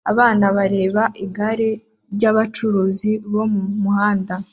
Abana bareba igare ryabacuruzi bo mumuhanda